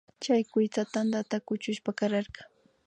Chay kuytsa tandata kuchushpa kararka